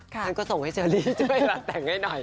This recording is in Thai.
ฉันก็ส่งให้เชอร์ลีด้วยแล้วแต่งให้หน่อย